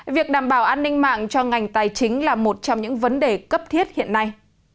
việc đảm bảo an ninh mạng cho ngành tài chính là một trong những vấn đề cấp thiết hiện nay